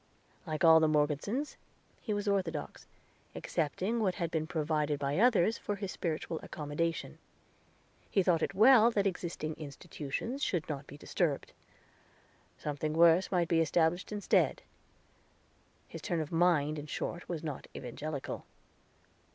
Like all the Morgesons, he was Orthodox, accepting what had been provided by others for his spiritual accommodation. He thought it well that existing Institutions should not be disturbed. "Something worse might be established instead." His turn of mind, in short, was not Evangelical.